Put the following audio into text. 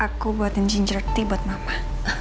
aku buatin ginger tea buat mama